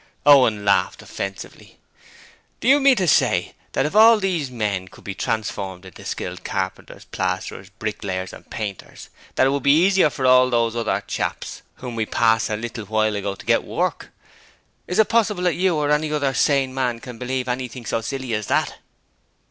Owen laughed offensively. 'Do you mean to say you think that if all these men could be transformed into skilled carpenters, plasterers, bricklayers, and painters, that it would be easier for all those other chaps whom we passed a little while ago to get work? Is it possible that you or any other sane man can believe anything so silly as that?'